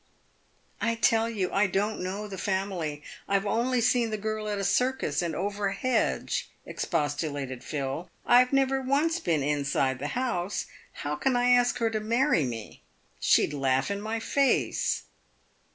" I tell you I don't know the family. I've only seen the girl at a circus and over a hedge," expostulated Phil. " I've never once been inside the house. How can I ask her to marry me ? She'd laugh in my face!"